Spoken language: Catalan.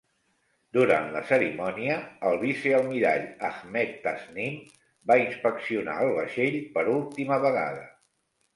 Durant la cerimònia, el vicealmirall Ahmed Tasnim va inspeccionar el vaixell per última vegada.